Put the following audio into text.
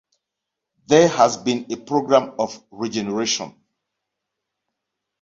There has been a programme of regeneration.